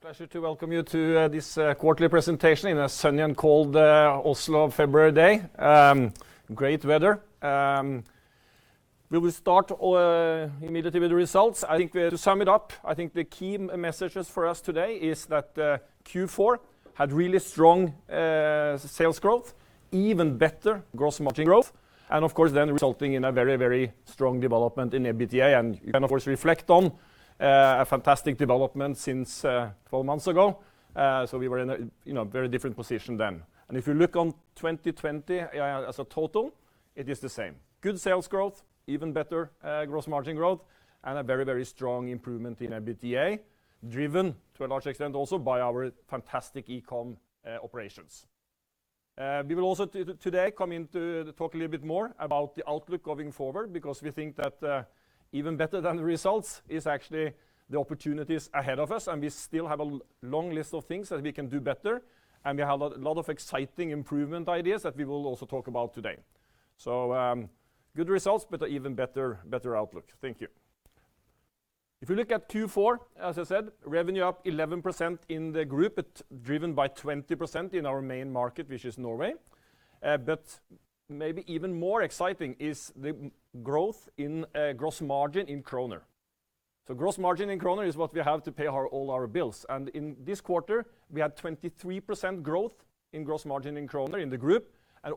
Pleasure to welcome you to this quarterly presentation in a sunny and cold Oslo February day. Great weather. We will start immediately with the results. I think to sum it up, I think the key messages for us today is that Q4 had really strong sales growth, even better gross margin growth, of course then resulting in a very strong development in EBITDA. You can, of course, reflect on a fantastic development since 12 months ago. We were in a very different position then. If you look on 2020 as a total, it is the same. Good sales growth, even better gross margin growth, and a very strong improvement in EBITDA, driven to a large extent also by our fantastic e-com operations. We will also today come in to talk a little bit more about the outlook going forward. We think that even better than the results is actually the opportunities ahead of us. We still have a long list of things that we can do better, and we have a lot of exciting improvement ideas that we will also talk about today. Good results, even better outlook. Thank you. If we look at Q4, as I said, revenue up 11% in the group, driven by 20% in our main market, which is Norway. Maybe even more exciting is the growth in gross margin in NOK. Gross margin in NOK is what we have to pay all our bills. In this quarter, we had 23% growth in gross margin in NOK in the group,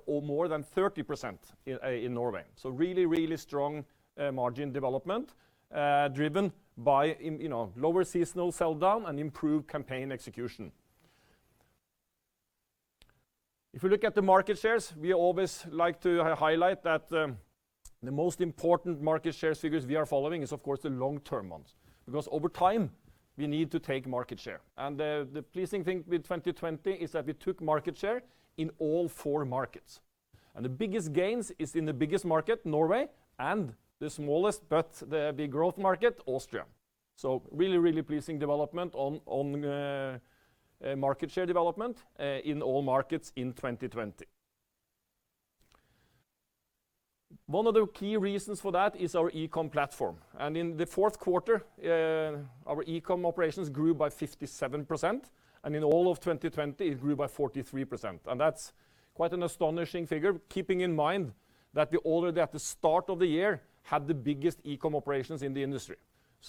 more than 30% in Norway. Really strong margin development, driven by lower seasonal sell down and improved campaign execution. If we look at the market shares, we always like to highlight that the most important market shares figures we are following is of course the long-term ones, because over time, we need to take market share. The pleasing thing with 2020 is that we took market share in all four markets. The biggest gains is in the biggest market, Norway, and the smallest, but the big growth market, Austria. Really pleasing development on market share development in all markets in 2020. One of the key reasons for that is our e-com platform. In the fourth quarter, our e-com operations grew by 57%, and in all of 2020, it grew by 43%. That's quite an astonishing figure, keeping in mind that we already at the start of the year had the biggest e-com operations in the industry.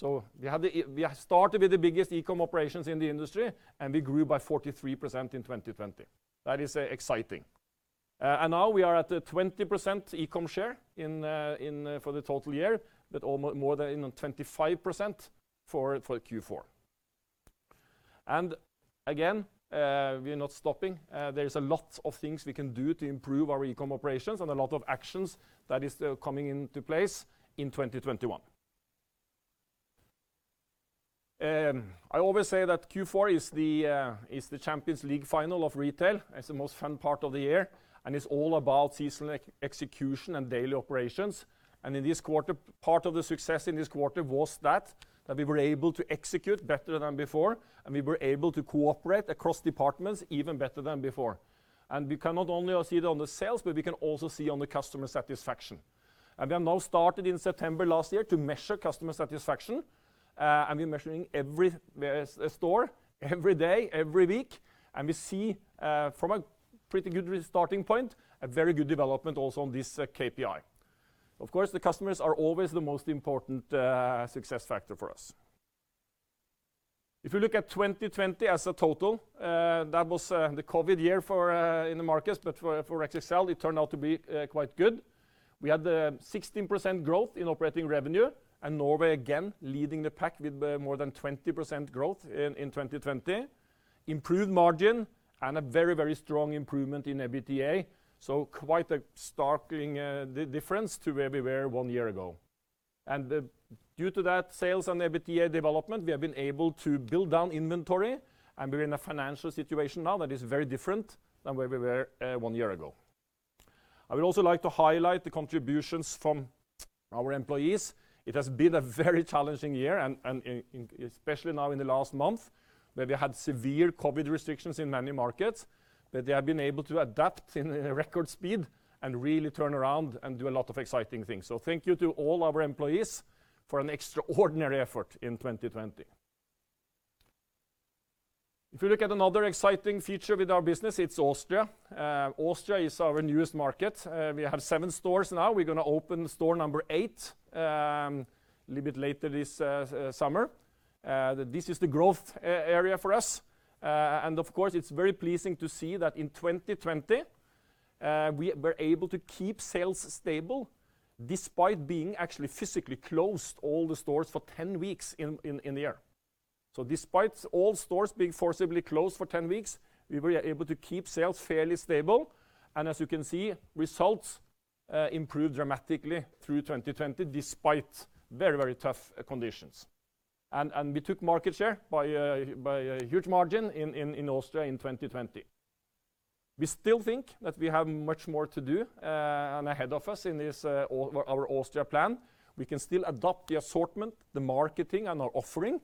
We have started with the biggest e-com operations in the industry, and we grew by 43% in 2020. That is exciting. Now we are at the 20% e-com share for the total year, but more than 25% for Q4. Again, we are not stopping. There is a lot of things we can do to improve our e-com operations and a lot of actions that is coming into place in 2021. I always say that Q4 is the Champions League final of retail. It's the most fun part of the year, and it's all about seasonal execution and daily operations. In this quarter, part of the success in this quarter was that we were able to execute better than before, and we were able to cooperate across departments even better than before. We can not only see it on the sales, but we can also see on the customer satisfaction. We have now started in September last year to measure customer satisfaction, and we're measuring every store every day, every week, and we see from a pretty good starting point, a very good development also on this KPI. Of course, the customers are always the most important success factor for us. If we look at 2020 as a total, that was the COVID year in the market, but for XXL, it turned out to be quite good. We had the 16% growth in operating revenue, and Norway again leading the pack with more than 20% growth in 2020. Improved margin and a very strong improvement in EBITDA. Quite a startling difference to where we were one year ago. Due to that sales and EBITDA development, we have been able to build down inventory, and we are in a financial situation now that is very different than where we were one year ago. I would also like to highlight the contributions from our employees. It has been a very challenging year and especially now in the last month, where we had severe COVID restrictions in many markets, that they have been able to adapt in a record speed and really turn around and do a lot of exciting things. Thank you to all our employees for an extraordinary effort in 2020. If you look at another exciting feature with our business, it's Austria. Austria is our newest market. We have seven stores now. We're going to open store number eight a little bit later this summer. This is the growth area for us. Of course, it's very pleasing to see that in 2020, we were able to keep sales stable despite being actually physically closed all the stores for 10 weeks in the year. Despite all stores being forcibly closed for 10 weeks, we were able to keep sales fairly stable. As you can see, results improved dramatically through 2020 despite very tough conditions. We took market share by a huge margin in Austria in 2020. We still think that we have much more to do and ahead of us in our Austria plan. We can still adopt the assortment, the marketing, and our offering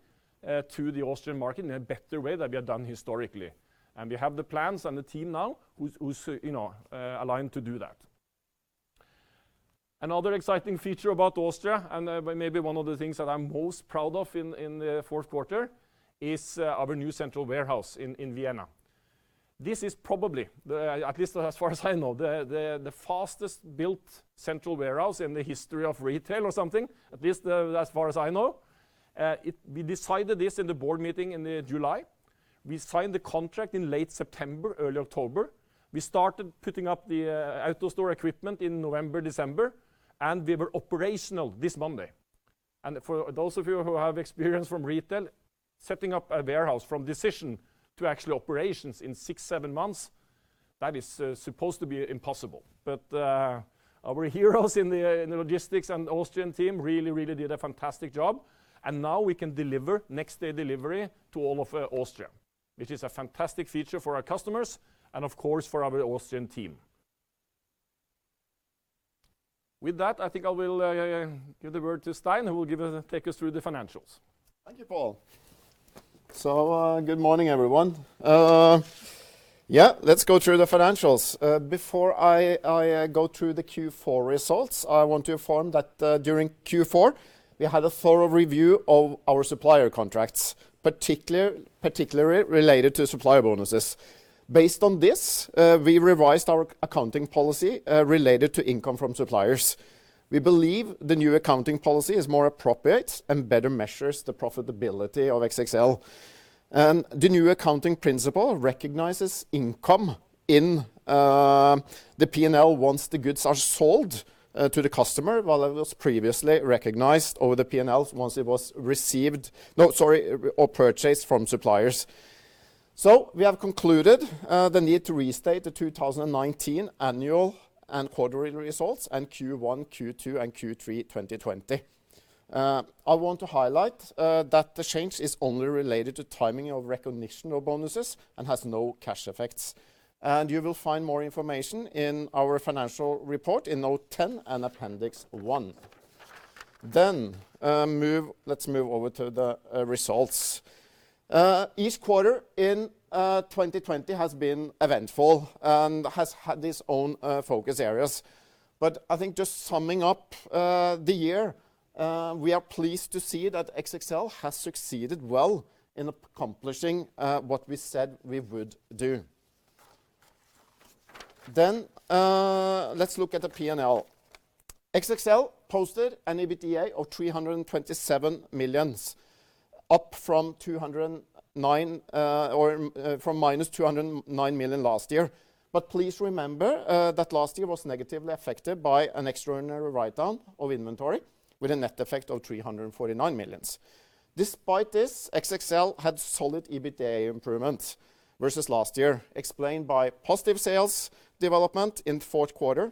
to the Austrian market in a better way than we have done historically. We have the plans and the team now who's aligned to do that. Another exciting feature about Austria, and maybe one of the things that I'm most proud of in the fourth quarter, is our new central warehouse in Vienna. This is probably, at least as far as I know, the fastest built central warehouse in the history of retail or something, at least as far as I know. We decided this in the board meeting in July. We signed the contract in late September, early October. We started putting up the AutoStore equipment in November, December, and we were operational this Monday. For those of you who have experience from retail, setting up a warehouse from decision to actual operations in six, seven months, that is supposed to be impossible. Our heroes in the logistics and Austrian team really did a fantastic job, and now we can deliver next-day delivery to all of Austria, which is a fantastic feature for our customers and, of course, for our Austrian team. With that, I think I will give the word to Stein, who will take us through the financials. Thank you, Pål. Good morning, everyone. Let's go through the financials. Before I go through the Q4 results, I want to inform that during Q4, we had a thorough review of our supplier contracts, particularly related to supplier bonuses. Based on this, we revised our accounting policy related to income from suppliers. We believe the new accounting policy is more appropriate and better measures the profitability of XXL. The new accounting principle recognizes income in the P&L once the goods are sold to the customer, while it was previously recognized over the P&L once it was received or purchased from suppliers. We have concluded the need to restate the 2019 annual and quarterly results and Q1, Q2, and Q3 2020. I want to highlight that the change is only related to timing of recognition of bonuses and has no cash effects. You will find more information in our financial report in note 10 and appendix one. Let's move over to the results. Each quarter in 2020 has been eventful and has had its own focus areas. I think just summing up the year, we are pleased to see that XXL has succeeded well in accomplishing what we said we would do. Let's look at the P&L. XXL posted an EBITDA of 327 million, up from -209 million last year. Please remember that last year was negatively affected by an extraordinary write-down of inventory with a net effect of 349 million. Despite this, XXL had solid EBITDA improvements versus last year, explained by positive sales development in fourth quarter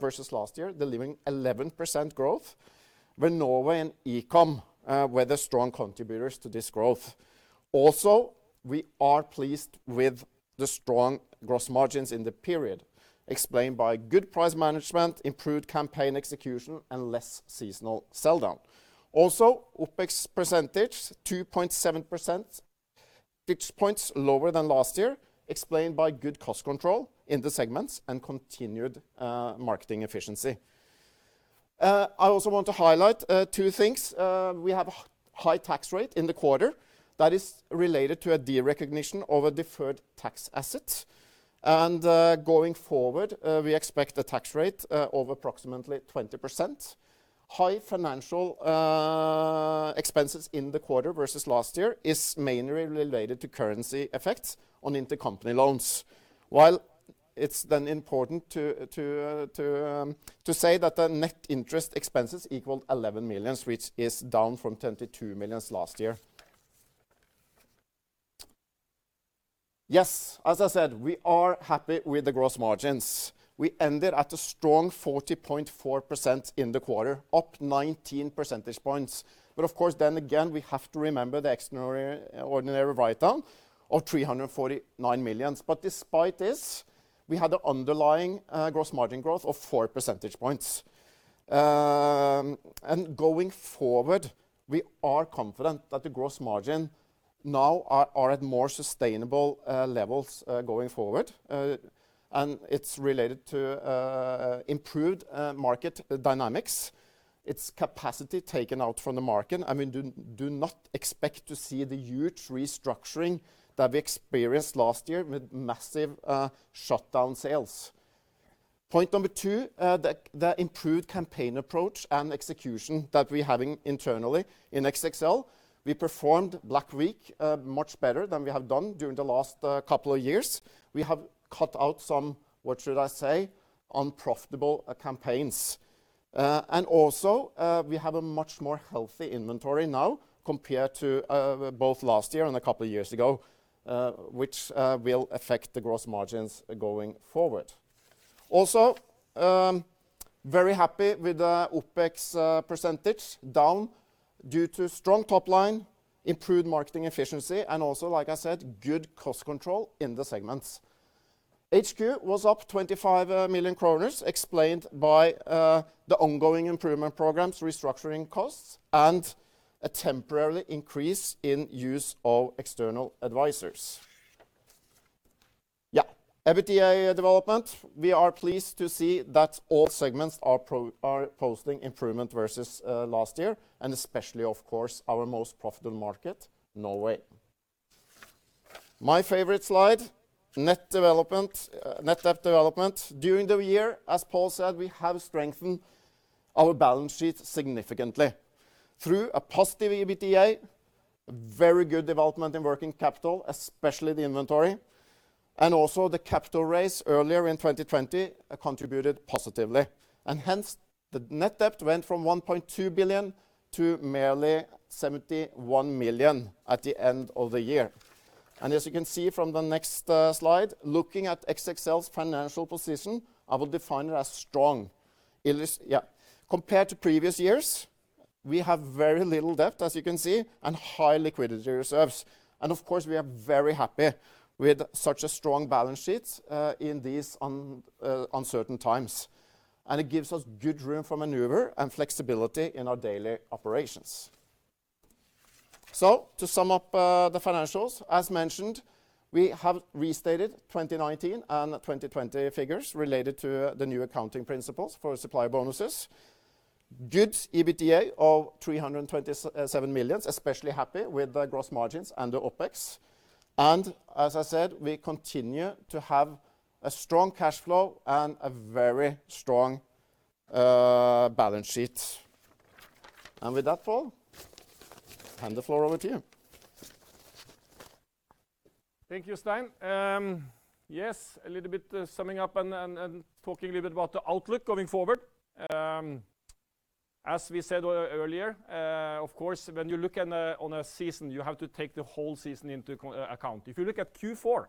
versus last year, delivering 11% growth, where Norway and e-com were the strong contributors to this growth. Also, we are pleased with the strong gross margins in the period explained by good price management, improved campaign execution, and less seasonal sell-down. Also, OpEx percentage, 2.7%, percentage points lower than last year, explained by good cost control in the segments and continued marketing efficiency. I also want to highlight two things. We have a high tax rate in the quarter that is related to a derecognition of a deferred tax asset. Going forward, we expect a tax rate of approximately 20%. High financial expenses in the quarter versus last year is mainly related to currency effects on intercompany loans. It's then important to say that the net interest expenses equaled 11 million, which is down from 22 million last year. As I said, we are happy with the gross margins. We ended at a strong 40.4% in the quarter, up 19 percentage points. Of course, then again, we have to remember the extraordinary write-down of 349 million. Despite this, we had the underlying gross margin growth of four percentage points. Going forward, we are confident that the gross margin now are at more sustainable levels going forward, and it's related to improved market dynamics. It's capacity taken out from the market, and we do not expect to see the huge restructuring that we experienced last year with massive shutdown sales. Point number two, the improved campaign approach and execution that we're having internally in XXL. We performed Black Week much better than we have done during the last couple of years. We have cut out some, what should I say, unprofitable campaigns. Also we have a much more healthy inventory now compared to both last year and a couple of years ago, which will affect the gross margins going forward. Also, very happy with the OpEx percentage down due to strong top line, improved marketing efficiency, and also, like I said, good cost control in the segments. HQ was up 25 million kroner, explained by the ongoing improvement programs, restructuring costs, and a temporary increase in use of external advisors. Yeah. EBITDA development. We are pleased to see that all segments are posting improvement versus last year, especially, of course, our most profitable market, Norway. My favorite slide, net debt development. During the year, as Pål said, we have strengthened our balance sheet significantly through a positive EBITDA, very good development in working capital, especially the inventory, and also the capital raise earlier in 2020 contributed positively, and hence the net debt went from 1.2 billion to merely 71 million at the end of the year. As you can see from the next slide, looking at XXL's financial position, I will define it as strong. Compared to previous years, we have very little debt, as you can see, and high liquidity reserves. Of course, we are very happy with such a strong balance sheet in these uncertain times, and it gives us good room for maneuver and flexibility in our daily operations. To sum up the financials, as mentioned, we have restated 2019 and 2020 figures related to the new accounting principles for supplier bonuses. Good EBITDA of 327 million. Especially happy with the gross margins and the OpEx. As I said, we continue to have a strong cash flow and a very strong balance sheet. With that, Pål, hand the floor over to you. Thank you, Stein. Yes, a little bit summing up and talking a little bit about the outlook going forward. As we said earlier, of course, when you look on a season, you have to take the whole season into account. If you look at Q4,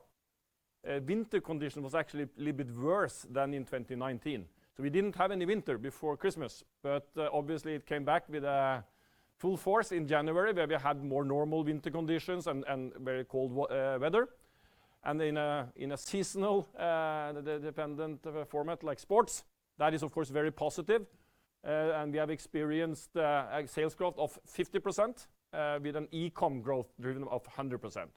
winter condition was actually a little bit worse than in 2019. We didn't have any winter before Christmas, but obviously it came back with full force in January, where we had more normal winter conditions and very cold weather. In a seasonal-dependent format like sports, that is of course very positive. We have experienced a sales growth of 50% with an e-com growth driven of 100%.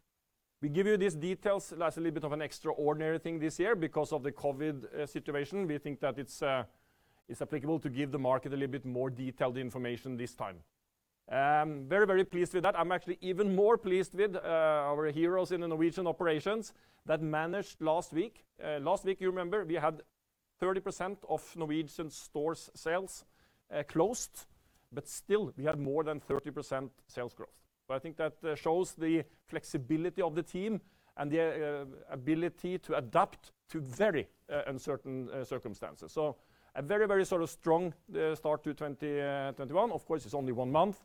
We give you these details as a little bit of an extraordinary thing this year because of the COVID situation. We think that it's applicable to give the market a little bit more detailed information this time. Very, very pleased with that. I'm actually even more pleased with our heroes in the Norwegian operations that managed last week. Last week, you remember, we had 30% of Norwegian store sales closed, but still we had more than 30% sales growth. I think that shows the flexibility of the team and the ability to adapt to very uncertain circumstances. A very sort of strong start to 2021. Of course, it's only one month,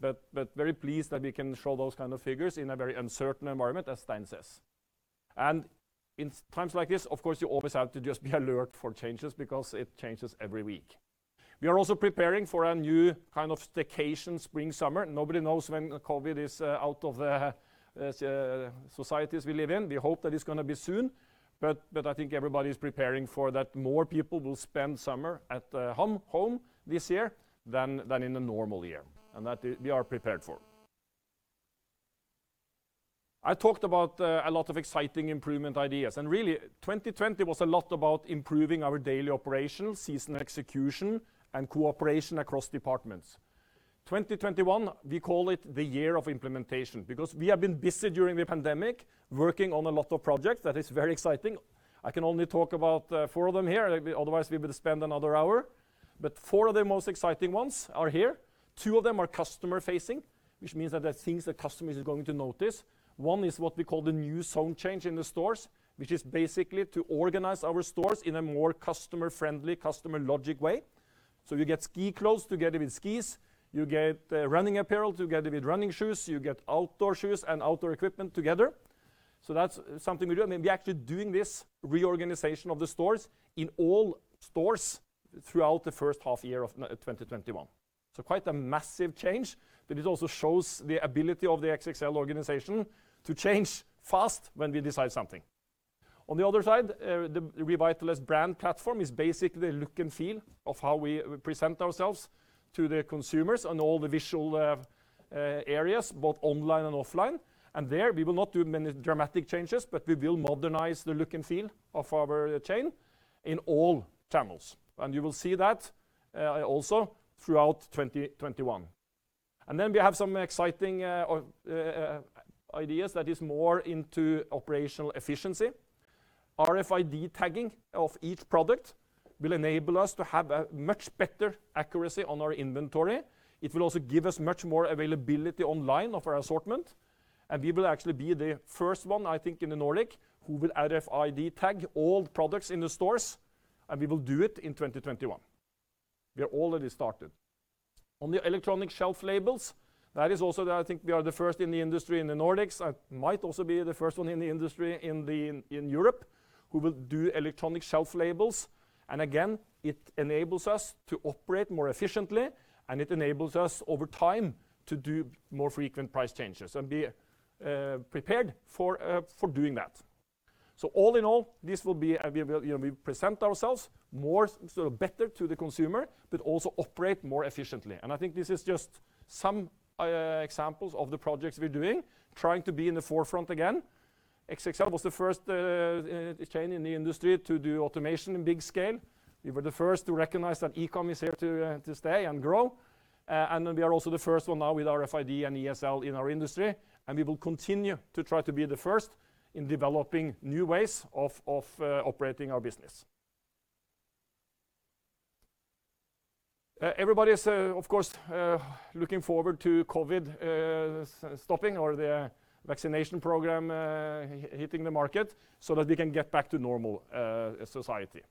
but very pleased that we can show those kind of figures in a very uncertain environment, as Stein says. In times like this, of course, you always have to just be alert for changes because it changes every week. We are also preparing for a new kind of staycation spring/summer. Nobody knows when COVID is out of the societies we live in. We hope that it's going to be soon, but I think everybody's preparing for that more people will spend summer at home this year than in a normal year, and that we are prepared for. I talked about a lot of exciting improvement ideas, and really, 2020 was a lot about improving our daily operations, season execution, and cooperation across departments. 2021, we call it the year of implementation because we have been busy during the pandemic working on a lot of projects. That is very exciting. I can only talk about four of them here. Otherwise, we would spend another hour. Four of the most exciting ones are here. Two of them are customer-facing, which means that they're things the customer is going to notice. One is what we call the new zone change in the stores, which is basically to organize our stores in a more customer-friendly, customer logic way. You get ski clothes together with skis. You get running apparel together with running shoes. You get outdoor shoes and outdoor equipment together. That's something we're doing. We're actually doing this reorganization of the stores in all stores throughout the first half year of 2021. Quite a massive change, but it also shows the ability of the XXL organization to change fast when we decide something. On the other side, the revitalized brand platform is basically the look and feel of how we present ourselves to the consumers on all the visual areas, both online and offline. There we will not do many dramatic changes, but we will modernize the look and feel of our chain in all channels. You will see that also throughout 2021. We have some exciting ideas that is more into operational efficiency. RFID tagging of each product will enable us to have a much better accuracy on our inventory. It will also give us much more availability online of our assortment. We will actually be the first one, I think, in the Nordic, who will RFID tag all products in the stores, and we will do it in 2021. We are already started. On the electronic shelf labels, that is also that I think we are the first in the industry in the Nordics, and might also be the first one in the industry in Europe who will do electronic shelf labels. Again, it enables us to operate more efficiently, and it enables us over time to do more frequent price changes and be prepared for doing that. All in all, we present ourselves more sort of better to the consumer but also operate more efficiently. I think this is just some examples of the projects we're doing, trying to be in the forefront again. XXL was the first chain in the industry to do automation in big scale. We were the first to recognize that e-com is here to stay and grow, and then we are also the first one now with RFID and ESL in our industry, and we will continue to try to be the first in developing new ways of operating our business. Everybody is, of course, looking forward to COVID stopping or the vaccination program hitting the market so that we can get back to normal society.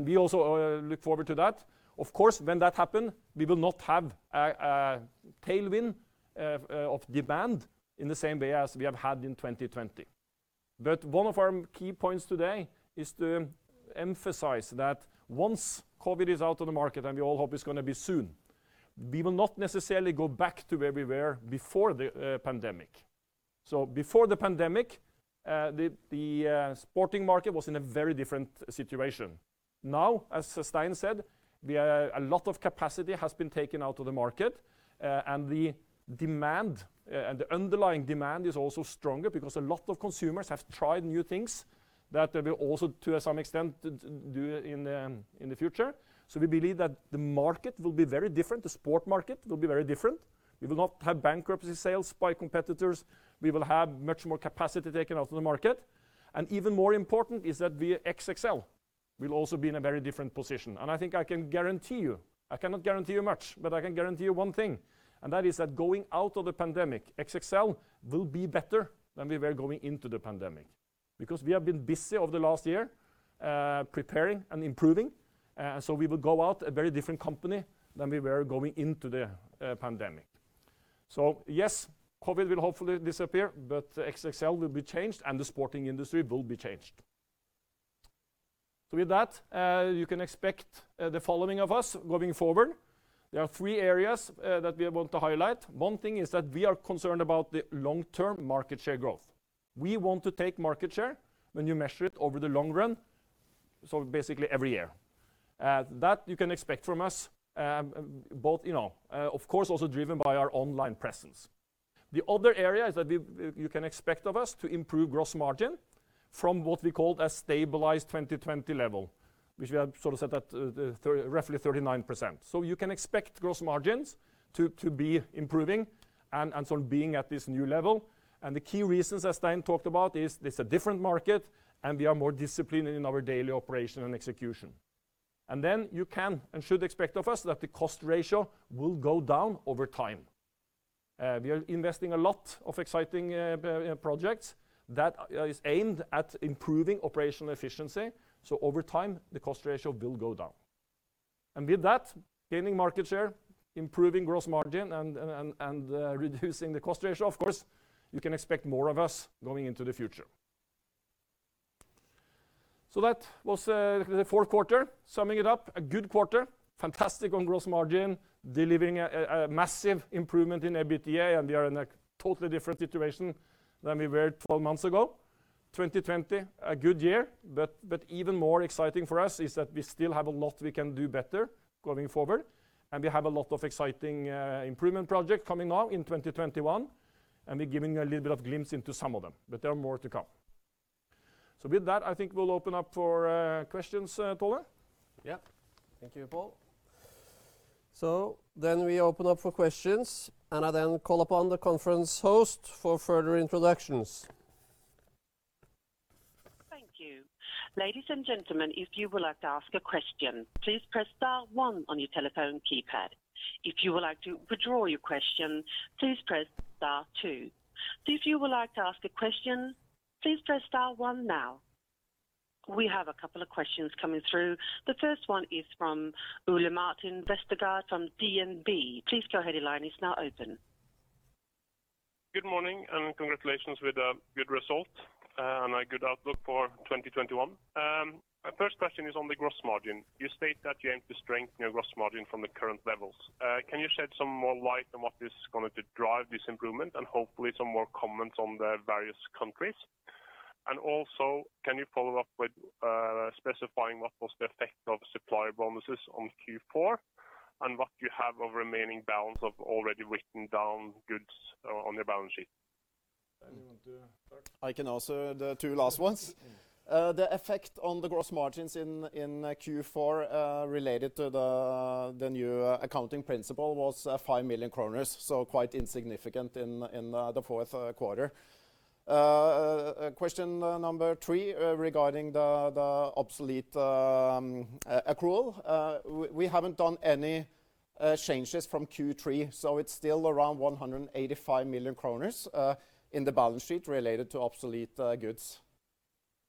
We also look forward to that. Of course, when that happens, we will not have a tailwind of demand in the same way as we have had in 2020. One of our key points today is to emphasize that once COVID is out of the market, and we all hope it's going to be soon, we will not necessarily go back to where we were before the pandemic. Before the pandemic, the sporting market was in a very different situation. Now, as Stein said, a lot of capacity has been taken out of the market and the underlying demand is also stronger because a lot of consumers have tried new things that they will also, to some extent, do in the future. We believe that the market will be very different, the sport market will be very different. We will not have bankruptcy sales by competitors. We will have much more capacity taken out of the market. Even more important is that we at XXL will also be in a very different position, and I think I can guarantee you, I cannot guarantee you much, but I can guarantee you one thing, and that is that going out of the pandemic, XXL will be better than we were going into the pandemic because we have been busy over the last year preparing and improving. We will go out a very different company than we were going into the pandemic. Yes, COVID will hopefully disappear, but XXL will be changed and the sporting industry will be changed. With that, you can expect the following of us going forward. There are three areas that we want to highlight. One thing is that we are concerned about the long-term market share growth. We want to take market share when you measure it over the long run, so basically every year. That you can expect from us both, of course, also driven by our online presence. The other area is that you can expect of us to improve gross margin from what we call a stabilized 2020 level, which we have set at roughly 39%. You can expect gross margins to be improving and so being at this new level. The key reasons, as Stein talked about, is it's a different market and we are more disciplined in our daily operation and execution. Then you can and should expect of us that the cost ratio will go down over time. We are investing a lot of exciting projects that is aimed at improving operational efficiency. Over time, the cost ratio will go down. With that, gaining market share, improving gross margin, and reducing the cost ratio, of course, you can expect more of us going into the future. That was the fourth quarter. Summing it up, a good quarter. Fantastic on gross margin, delivering a massive improvement in EBITDA, and we are in a totally different situation than we were 12 months ago. 2020, a good year, but even more exciting for us is that we still have a lot we can do better going forward and we have a lot of exciting improvement project coming now in 2021, and we're giving a little bit of glimpse into some of them, but there are more to come. With that, I think we'll open up for questions, Tolle. Yeah. Thank you, Pål. We open up for questions, and I then call upon the conference host for further introductions. Thank you. We have a couple of questions coming through. The first one is from Ole Martin Westgaard from DNB. Please go ahead, your line is now open. Good morning, congratulations with a good result and a good outlook for 2021. My first question is on the gross margin. You state that you aim to strengthen your gross margin from the current levels. Can you shed some more light on what is going to drive this improvement and hopefully some more comments on the various countries? Also, can you follow up with specifying what was the effect of supplier bonuses on Q4 and what you have of remaining balance of already written down goods on your balance sheet? Anyone to start? I can answer the two last ones. The effect on the gross margins in Q4 related to the new accounting principle was 5 million kroner, so quite insignificant in the fourth quarter. Question number three regarding the obsolete accrual. We haven't done any changes from Q3, so it's still around 185 million kroner in the balance sheet related to obsolete goods.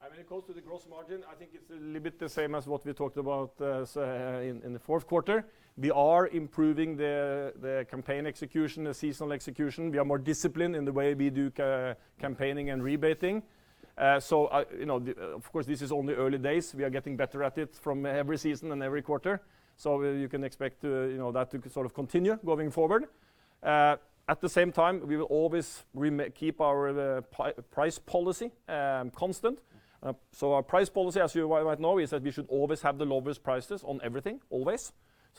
I mean, close to the gross margin, I think it's a little bit the same as what we talked about in the fourth quarter. We are improving the campaign execution, the seasonal execution. We are more disciplined in the way we do campaigning and rebating. Of course, this is only early days. We are getting better at it from every season and every quarter. You can expect that to continue going forward. At the same time, we will always keep our price policy constant. Our price policy, as you right now, is that we should always have the lowest prices on everything, always.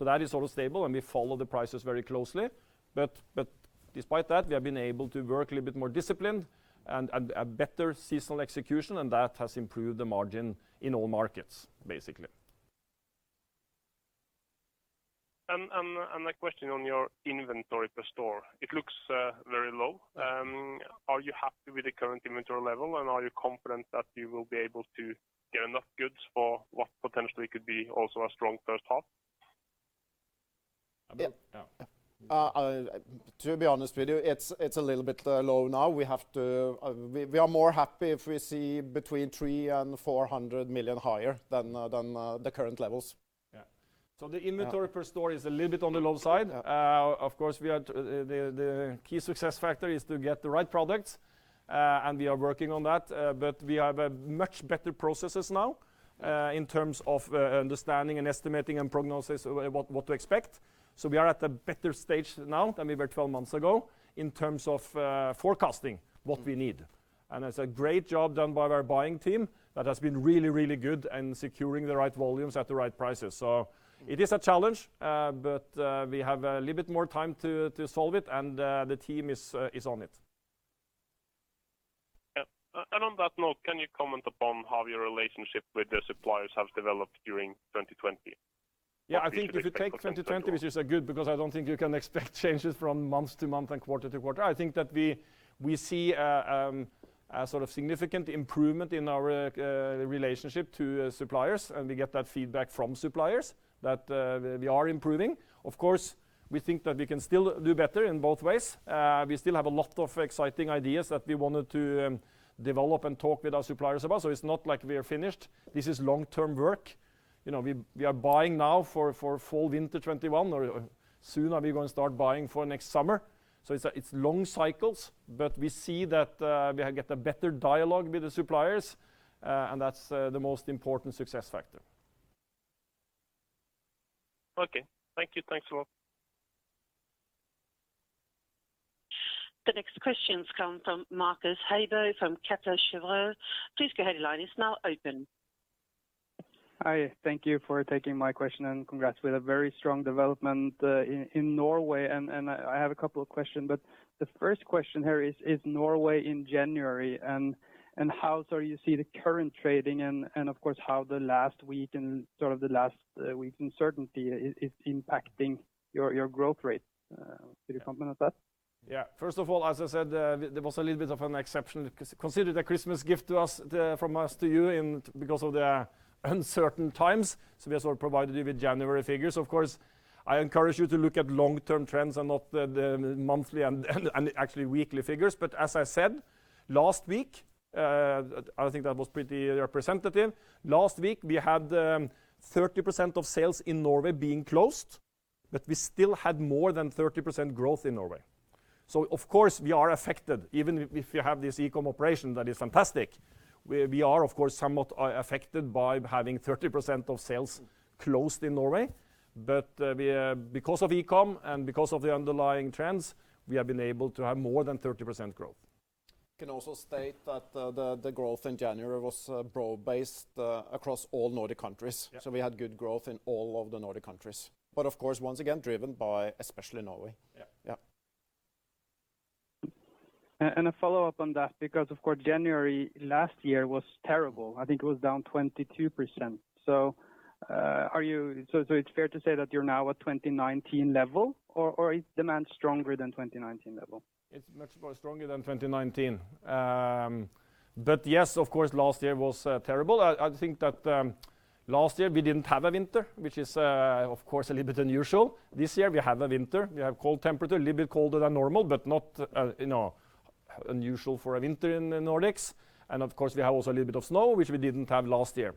That is stable, and we follow the prices very closely. Despite that, we have been able to work a little bit more disciplined and a better seasonal execution, and that has improved the margin in all markets, basically. A question on your inventory per store. It looks very low. Are you happy with the current inventory level, and are you confident that you will be able to get enough goods for what potentially could be also a strong first half? Yeah. To be honest with you, it's a little bit low now. We are more happy if we see between 300 million and 400 million higher than the current levels. Yeah. The inventory per store is a little bit on the low side. Yeah. Of course, the key success factor is to get the right products, and we are working on that. We have a much better processes now, in terms of understanding and estimating and prognosing what to expect. We are at a better stage now than we were 12 months ago in terms of forecasting what we need. It's a great job done by our buying team that has been really good and securing the right volumes at the right prices. It is a challenge, but we have a little bit more time to solve it, and the team is on it. Yeah. On that note, can you comment upon how your relationship with the suppliers has developed during 2020? Yeah, I think if you take 2020, which is good because I don't think you can expect changes from month to month and quarter to quarter. I think that we see a sort of significant improvement in our relationship to suppliers, and we get that feedback from suppliers that we are improving. Of course, we think that we can still do better in both ways. We still have a lot of exciting ideas that we wanted to develop and talk with our suppliers about, so it's not like we are finished. This is long-term work. We are buying now for fall/winter 2021, or soon are we going to start buying for next summer. It's long cycles, but we see that we have get a better dialogue with the suppliers, and that's the most important success factor. Okay. Thank you. Thanks a lot. The next questions come from Marcus Heiberg from Kepler Cheuvreux. Please go ahead, line is now open. Hi, thank you for taking my question. Congrats with a very strong development in Norway. I have a couple of questions. The first question here is Norway in January and how sort of you see the current trading and of course, how the last week and sort of the last week uncertainty is impacting your growth rate. Could you comment on that? Yeah. First of all, as I said, there was a little bit of an exception considered a Christmas gift to us from us to you in because of the uncertain times, so we sort of provided you with January figures. Of course, I encourage you to look at long-term trends and not the monthly and actually weekly figures. As I said, last week, I think that was pretty representative. Last week we had 30% of sales in Norway being closed, but we still had more than 30% growth in Norway. Of course, we are affected even if you have this e-com operation that is fantastic. We are of course somewhat affected by having 30% of sales closed in Norway. Because of e-com and because of the underlying trends, we have been able to have more than 30% growth. Can also state that the growth in January was broad-based across all Nordic countries. Yeah. We had good growth in all of the Nordic countries. Of course, once again, driven by especially Norway. Yeah. A follow-up on that because, of course, January last year was terrible. I think it was down 22%. It's fair to say that you're now at 2019 level, or is demand stronger than 2019 level? It's much more stronger than 2019. Yes, of course, last year was terrible. I think that last year we didn't have a winter, which is, of course, a little bit unusual. This year we have a winter. We have cold temperature, a little bit colder than normal, but not unusual for a winter in the Nordics. Of course, we have also a little bit of snow, which we didn't have last year.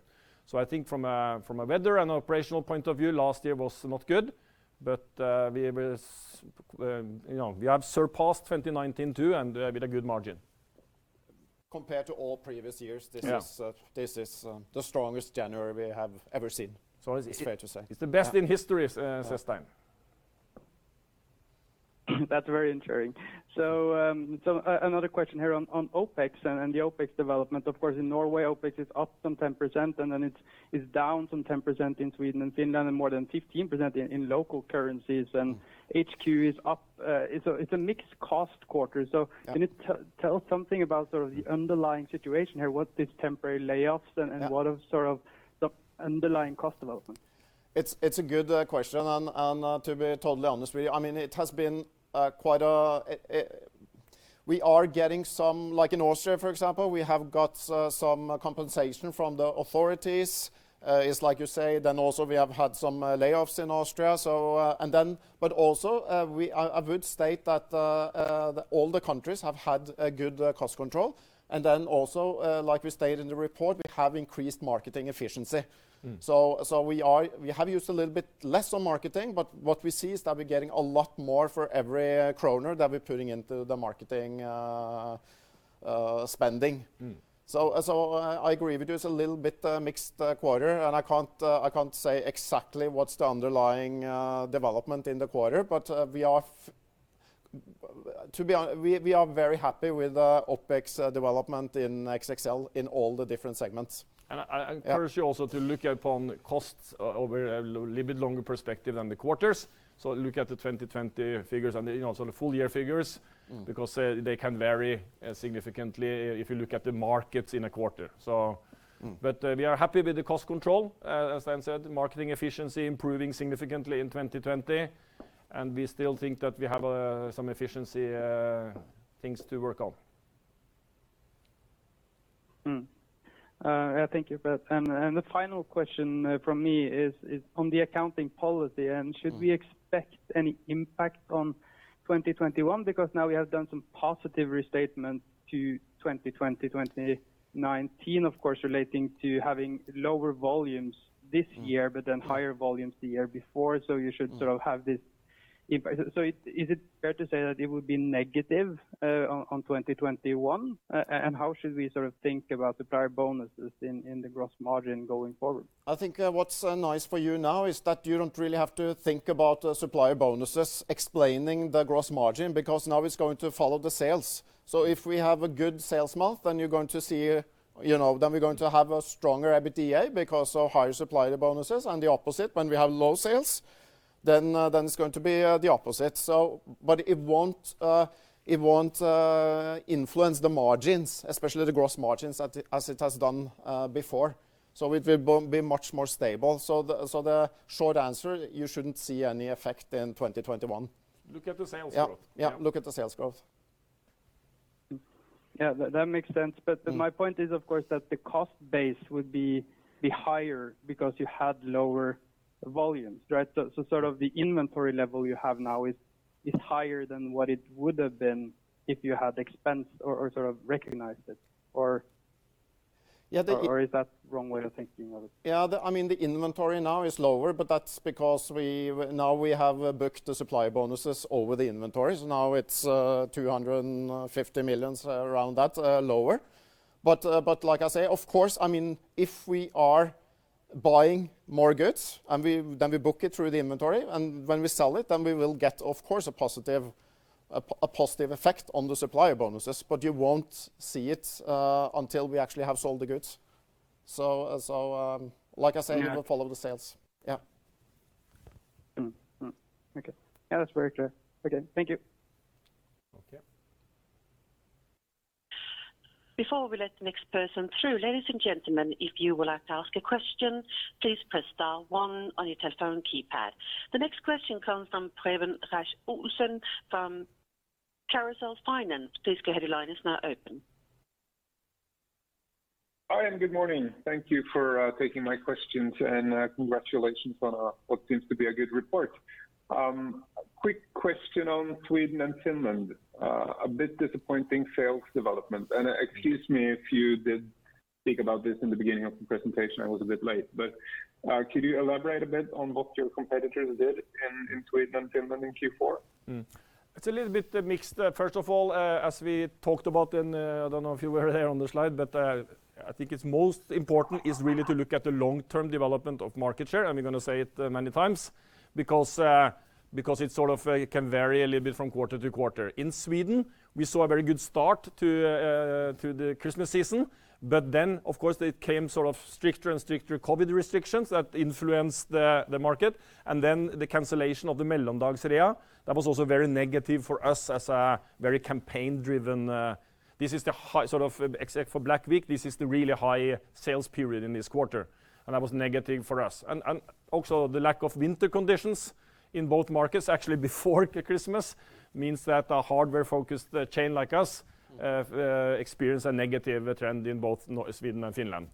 I think from a weather and operational point of view, last year was not good, but we have surpassed 2019 too, and with a good margin. Compared to all previous years. Yeah This is the strongest January we have ever seen. It's fair to say. It's the best in history, says Stein. That's very reassuring. Another question here on OpEx and the OpEx development. Of course, in Norway, OpEx is up some 10%, and then it's down some 10% in Sweden and Finland, and more than 15% in local currencies. HQ is up. It's a mixed cost quarter. Yeah. Can you tell something about sort of the underlying situation here? What's this temporary layoffs and what are sort of the underlying cost development? It's a good question. To be totally honest with you, we are getting some, like in Austria, for example, we have got some compensation from the authorities. It's like you say, also we have had some layoffs in Austria. Also, I would state that all the countries have had a good cost control. Also, like we stated in the report, we have increased marketing efficiency. We have used a little bit less on marketing, but what we see is that we're getting a lot more for every NOK that we're putting into the marketing spending. I agree with you. It's a little bit mixed quarter and I can't say exactly what's the underlying development in the quarter, but we are very happy with OpEx development in XXL in all the different segments. I encourage you also to look upon costs over a little bit longer perspective than the quarters. Look at the 2020 figures and the sort of full year figures because they can vary significantly if you look at the markets in a quarter. We are happy with the cost control, as Stein said, marketing efficiency improving significantly in 2020. We still think that we have some efficiency things to work on. Thank you. The final question from me is on the accounting policy, and should we expect any impact on 2021? Now we have done some positive restatement to 2020, 2019, of course, relating to having lower volumes this year, but then higher volumes the year before. You should sort of have this impact. Is it fair to say that it would be negative on 2021? How should we think about the prior bonuses in the gross margin going forward? I think what's nice for you now is that you don't really have to think about supplier bonuses explaining the gross margin because now it's going to follow the sales. If we have a good sales month, then we're going to have a stronger EBITDA because of higher supplier bonuses. The opposite when we have low sales, then it's going to be the opposite. It won't influence the margins, especially the gross margins as it has done before. It will be much more stable. The short answer, you shouldn't see any effect in 2021. Look at the sales growth. Yeah. Look at the sales growth. Yeah, that makes sense. My point is of course that the cost base would be higher because you had lower volumes, right? The inventory level you have now is higher than what it would have been if you had expensed or recognized it. Yeah, the- Is that wrong way of thinking of it? Yeah, the inventory now is lower. That's because now we have booked the supplier bonuses over the inventories. Now it's 250 million around that, lower. Like I say, of course, if we are buying more goods and then we book it through the inventory and when we sell it, then we will get of course a positive effect on the supplier bonuses. You won't see it until we actually have sold the goods. Like I said, it will follow the sales. Yeah. Okay. Yeah, that's very true. Okay. Thank you. Okay. Before we let the next person through, ladies and gentlemen, if you would like to ask a question, please press star one on your telephone keypad. The next question comes from Preben Rasch-Olsen from Carucel Finance. Please go ahead, your line is now open. Hi, good morning. Thank you for taking my questions, congratulations on what seems to be a good report. Quick question on Sweden and Finland. A bit disappointing sales development. Excuse me if you did speak about this in the beginning of the presentation, I was a bit late. Could you elaborate a bit on what your competitors did in Sweden and Finland in Q4? It's a little bit mixed. First of all, as we talked about in, I don't know if you were there on the slide, but I think it's most important is really to look at the long-term development of market share, and we're going to say it many times because it can vary a little bit from quarter to quarter. In Sweden, we saw a very good start to the Christmas season, but then, of course, there came stricter and stricter COVID restrictions that influenced the market, and then the cancellation of the mellandagsrea. That was also very negative for us as a very campaign driven Except for Black Week, this is the really high sales period in this quarter, and that was negative for us. Also the lack of winter conditions in both markets, actually before the Christmas, means that a hardware-focused chain like us experienced a negative trend in both Sweden and Finland.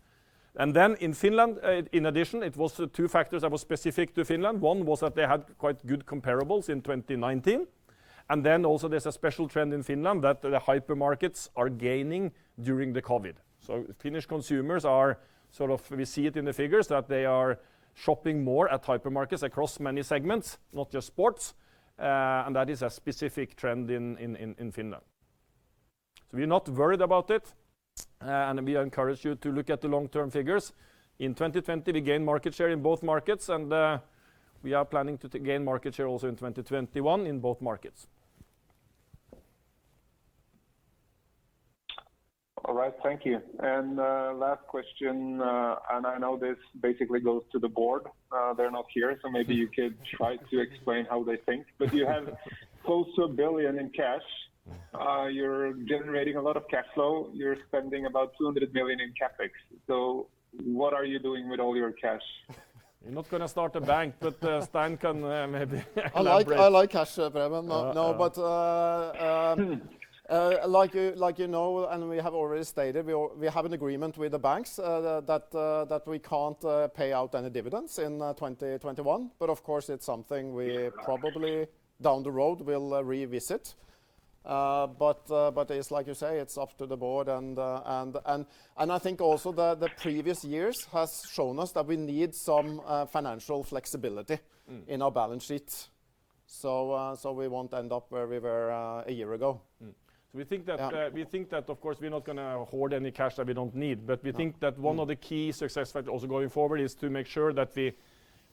In Finland, in addition, it was two factors that were specific to Finland. One was that they had quite good comparables in 2019. Also there's a special trend in Finland that the hypermarkets are gaining during the COVID. Finnish consumers are, we see it in the figures, that they are shopping more at hypermarkets across many segments, not just sports. That is a specific trend in Finland. We're not worried about it. We encourage you to look at the long-term figures. In 2020, we gained market share in both markets, and we are planning to gain market share also in 2021 in both markets. All right. Thank you. Last question, and I know this basically goes to the board. They're not here, so maybe you could try to explain how they think. You have close to 1 billion in cash. You're generating a lot of cash flow. You're spending about 200 million in CapEx. What are you doing with all your cash? You're not going to start a bank, but Stein can maybe elaborate. I like cash, Preben. Like you know, and we have already stated, we have an agreement with the banks that we can't pay out any dividends in 2021, of course it's something we probably down the road will revisit. It's like you say, it's up to the board, and I think also the previous years has shown us that we need some financial flexibility in our balance sheet. We won't end up where we were a year ago. We think that, of course, we're not going to hoard any cash that we don't need. We think that one of the key success factors also going forward is to make sure that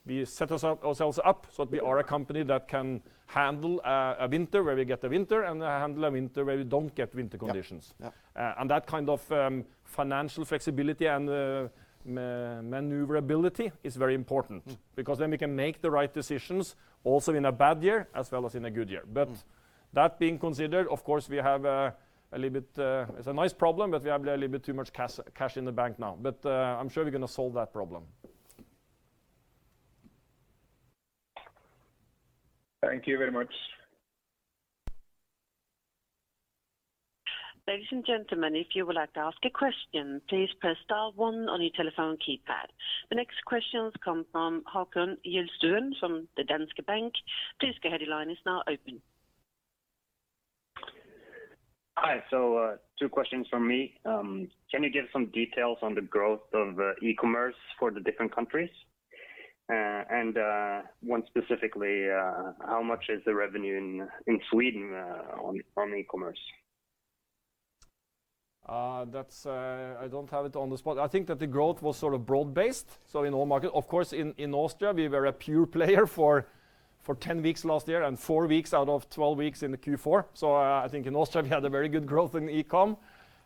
we set ourselves up so that we are a company that can handle a winter where we get a winter and handle a winter where we don't get winter conditions. Yeah. That kind of financial flexibility and maneuverability is very important because then we can make the right decisions also in a bad year as well as in a good year. That being considered, of course, it's a nice problem, but we have a little bit too much cash in the bank now. I'm sure we're going to solve that problem. Thank you very much. Ladies and gentlemen, if you would like to ask a question, please press star one on your telephone keypad. The next questions come from Håkon Hjelstuen from the Danske Bank. Please go ahead, your line is now open. Hi. Two questions from me. Can you give some details on the growth of e-commerce for the different countries? One specifically, how much is the revenue in Sweden on e-commerce? I don't have it on the spot. I think that the growth was broad-based. In all markets, of course, in Austria, we were a pure player for 10 weeks last year and four weeks out of 12 weeks in the Q4. I think in Austria, we had a very good growth in e-com.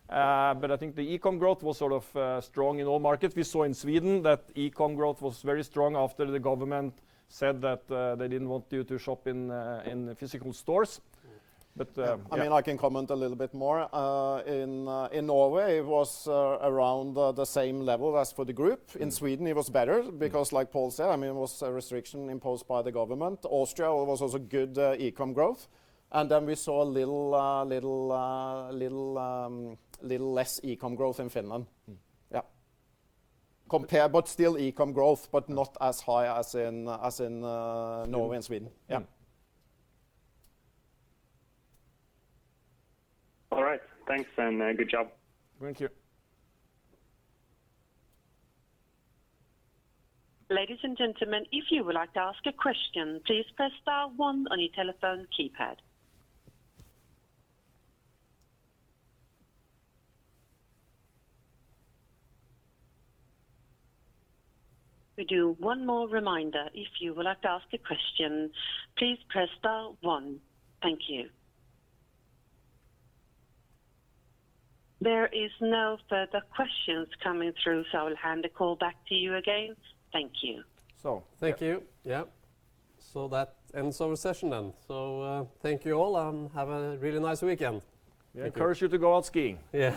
I think the e-com growth was strong in all markets. We saw in Sweden that e-com growth was very strong after the government said that they didn't want you to shop in physical stores. I can comment a little bit more. In Norway it was around the same level as for the group. In Sweden it was better because like Pål said, it was a restriction imposed by the government. Austria was also good e-com growth, and then we saw a little less e-com growth in Finland. Yeah. Compared, still e-com growth, but not as high as in Norway and Sweden. All right. Thanks and good job. Thank you. Ladies and gentlemen, if you would like to ask a question, please press star one on your telephone keypad. We do one more reminder. If you would like to ask a question, please press star one. Thank you. There is no further questions coming through, so I'll hand the call back to you again. Thank you. Thank you. Yeah. That ends our session then. Thank you all and have a really nice weekend. Yeah. Encourage you to go out skiing. Yeah.